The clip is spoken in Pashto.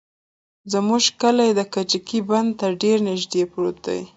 زموږ کلى د کجکي بند ته ډېر نژدې پروت دى.